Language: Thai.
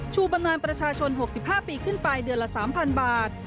บำนานประชาชน๖๕ปีขึ้นไปเดือนละ๓๐๐บาท